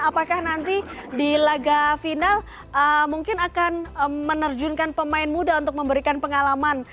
apakah nanti di laga final mungkin akan menerjunkan pemain muda untuk memberikan pengalaman